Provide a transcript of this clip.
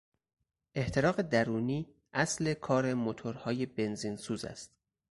احتراق درونی اصل کار موتورهای بنزین سوز است.